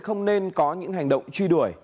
không nên có những hành động truy đuổi